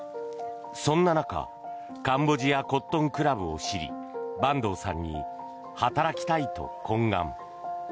そんな中カンボジアコットンクラブを知り板東さんに働きたいと懇願。